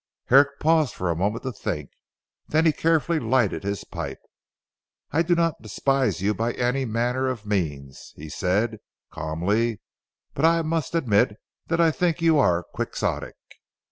Herrick paused for a moment to think. Then he carefully lighted his pipe. "I do not despise you by any manner of means," he said calmly, "but I must admit that I think you are quixotic."